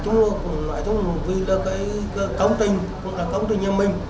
nói chung là vì là cái công trình công trình nhân minh